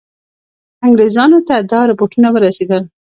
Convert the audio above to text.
انګرېزانو ته دا رپوټونه ورسېدل.